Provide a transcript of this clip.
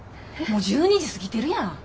もう１２時過ぎてるやん。